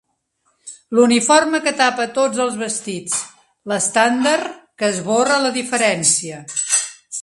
L'uniforme que tapa tots els vestits, l'estàndard que esborra la diferència.